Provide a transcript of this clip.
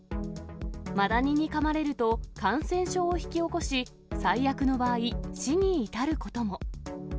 マダニにかまれると、感染症を引き起こし、最悪の場合、死に至ることも。